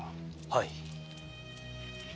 はい。